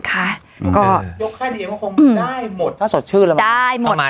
ยกค่ายดีเอ็มก็คงได้หมดถ้าสดชื่อแล้วมา